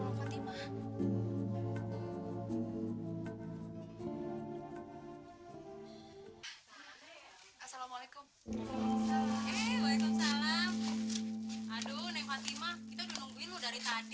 aduh nek fatima kita udah nungguin lo dari tadi